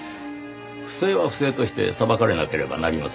不正は不正として裁かれなければなりません。